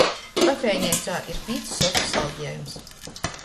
Kafejneicā ir pīcu sortu saļdiejums.